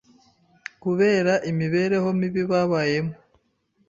kubera imibereho mibi babayemo